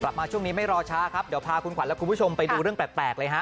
กลับมาช่วงนี้ไม่รอช้าครับเดี๋ยวพาคุณขวัญและคุณผู้ชมไปดูเรื่องแปลกเลยฮะ